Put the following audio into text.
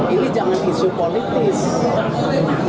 ini jangan isu politik